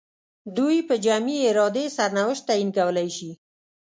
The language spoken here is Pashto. دوی په جمعي ارادې سرنوشت تعیین کولای شي.